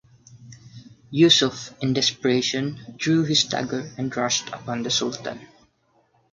Yussuf, in desperation, drew his dagger and rushed upon the sultan.